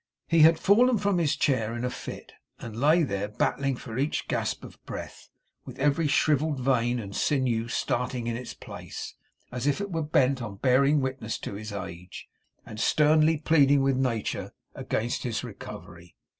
He had fallen from his chair in a fit, and lay there, battling for each gasp of breath, with every shrivelled vein and sinew starting in its place, as if it were bent on bearing witness to his age, and sternly pleading with Nature against his recovery.